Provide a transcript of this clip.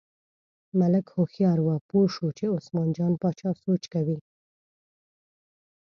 ملک هوښیار و، پوه شو چې عثمان جان باچا سوچ کوي.